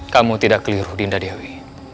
kamu tidak keliru dinda dewi